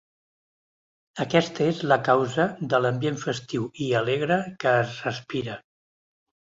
Aquesta és la causa de l'ambient festiu i alegre que es respira.